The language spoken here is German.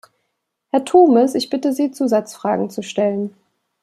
Herr Turmes, ich bitte Sie, Zusatzfragen zu stellen.